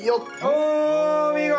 お見事！